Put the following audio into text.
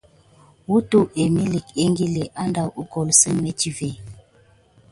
Wutəwa emilik ékili adawu gukole metivé.